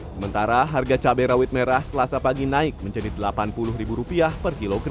sementara harga cabai rawit merah selasa pagi naik menjadi rp delapan puluh